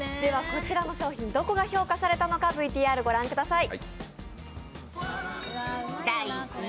こちらの商品どこが評価されたのか、ＶＴＲご覧ください。